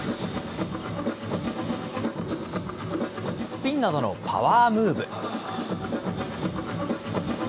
スピンなどのパワームーブ。